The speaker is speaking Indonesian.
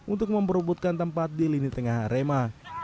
untuk memperubutkan tempat di lini tengah arema